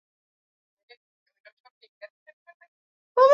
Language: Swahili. ambao unakuwa huu mji wa portal pae